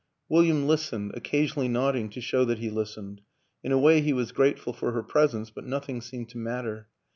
William listened, occasionally nodding to show that he listened; in a way he was grateful for her presence, but nothing seemed to matter